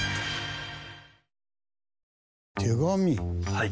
はい。